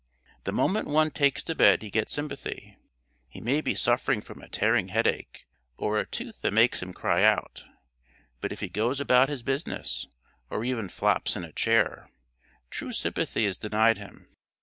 The moment one takes to bed he gets sympathy. He may be suffering from a tearing headache or a tooth that makes him cry out; but if he goes about his business, or even flops in a chair, true sympathy is denied him.